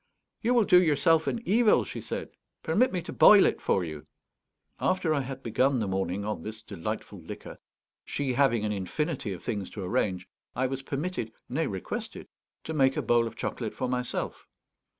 "You will do yourself an evil," she said. "Permit me to boil it for you." After I had begun the morning on this delightful liquor, she having an infinity of things to arrange, I was permitted, nay requested, to make a bowl of chocolate for myself.